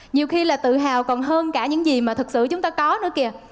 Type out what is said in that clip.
nhiều khi là tự hào còn hơn cả những gì mà thật sự chúng ta có nữa kia